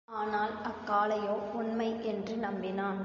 ஆனால் அக்காளையோ, உண்மை என்று நம்பினான்.